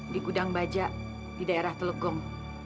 di kudang bajak di daerah teluk gung